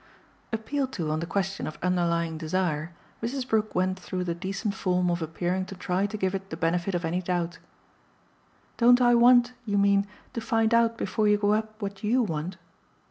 Appealed to on the question of underlying desire, Mrs. Brook went through the decent form of appearing to try to give it the benefit of any doubt. "Don't I want, you mean, to find out before you go up what YOU want?